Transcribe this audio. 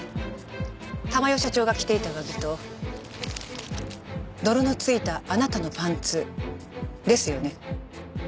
珠代社長が着ていた上着と泥の付いたあなたのパンツですよね？